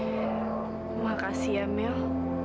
terima kasih emil